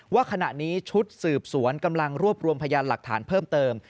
ว่าขณะนี้ชุดสืบสวนกำลังรวบรวมพยานหลักฐานเพิ่มเติม